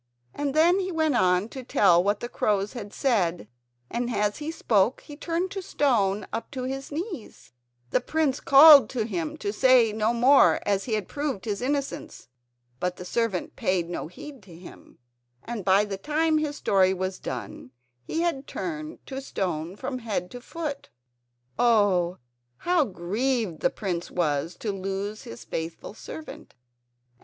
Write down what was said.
And then he went on to tell what the crows had said, and as he spoke he turned to stone up to his knees. The prince called to him to say no more as he had proved his innocence. But the servant paid no heed to him, and by the time his story was done he had turned to stone from head to foot. Oh! how grieved the prince was to lose his faithful servant!